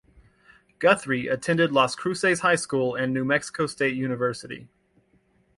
Guthrie attended Las Cruces High School and New Mexico State University.